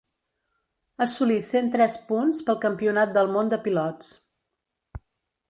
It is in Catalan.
Assolí cent tres punts pel campionat del món de pilots.